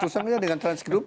tusangnya dengan transgrup